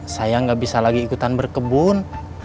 saya nggak bisa lagi ikutan berkebun